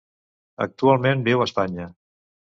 Actualment viu a Espanya.